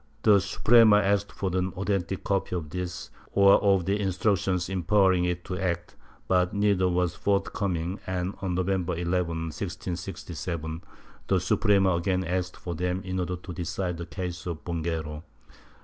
The Suprema asked for an authentic copy of this or of the instructions empowering it to act, but neither was forthcoming and, on Novem ber 11, 1667, the Suprema again asked for them in order to decide the case of Bonguero.